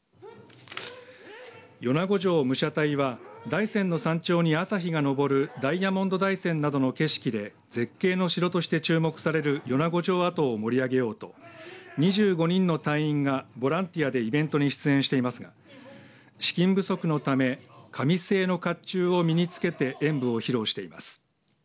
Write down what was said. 米子城武者隊は大山の山頂に朝日が昇るダイヤモンド大山などの景色で絶景の城として注目される米子城跡を盛り上げようと２５人の隊員がボランティアでイベントに出演していますが資金不足のため紙製のかっちゅうを身につけて演武を披露しています。